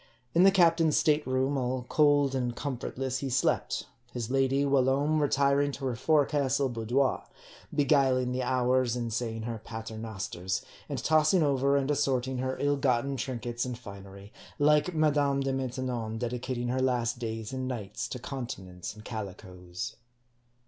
In the captain's state room, all cold and comfortless, he slept ; his lady whilome retiring to her forecastle boudoir ; beguiling the hours in saying her pater nosters, and tossing over and assorting her ill gotten trinkets and finery; like Madame De Maintenon dedicating her last days and nights to continence and calicoes.